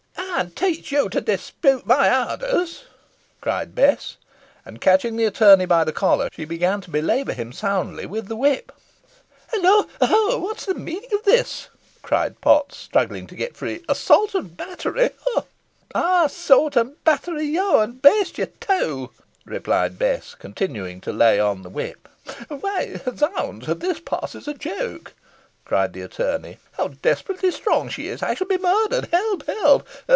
"Ey'n teach yo to dispute my orders," cried Bess. And, catching the attorney by the collar, she began to belabour him soundly with the whip. "Holloa! ho! what's the meaning of this?" cried Potts, struggling to get free. "Assault and battery; ho!" "Ey'n sawt an batter yo, ay, an baste yo too!" replied Bess, continuing to lay on the whip. "Why, zounds! this passes a joke," cried the attorney. "How desperately strong she is! I shall be murdered! Help! help!